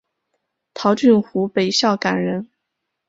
陶峻湖北孝感人。